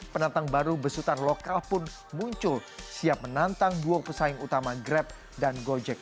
penantang baru besutan lokal pun muncul siap menantang dua pesaing utama grab dan gojek